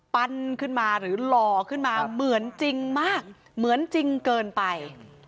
ขึ้นมาหรือหล่อขึ้นมาเหมือนจริงมากเหมือนจริงเกินไป